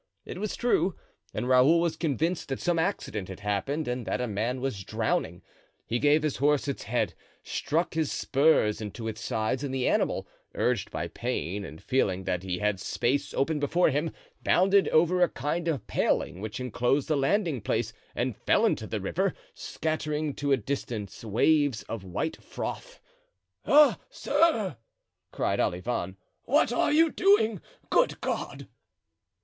It was true, and Raoul was convinced that some accident had happened and that a man was drowning; he gave his horse its head, struck his spurs into its sides, and the animal, urged by pain and feeling that he had space open before him, bounded over a kind of paling which inclosed the landing place, and fell into the river, scattering to a distance waves of white froth. "Ah, sir!" cried Olivain, "what are you doing? Good God!"